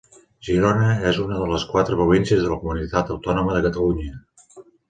Girona és una de les quatre províncies de la comunitat autònoma de Catalunya.